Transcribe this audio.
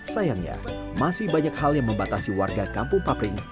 sayangnya masih banyak hal yang membatasi warga kampung papring